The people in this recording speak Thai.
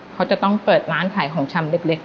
เขาจะต้องเปิดร้านขายของชำเล็ก